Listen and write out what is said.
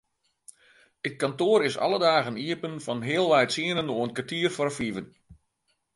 It kantoar is alle dagen iepen fan healwei tsienen oant kertier foar fiven.